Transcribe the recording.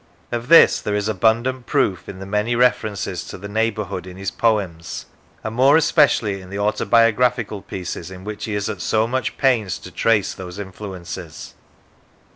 Of this there is abundant proof in the many references to the neigh bourhood in his poems, and more especially in the autobiographical pieces in which he is at so much pains to trace those influences.